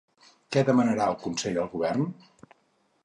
Què demanarà el Consell al govern?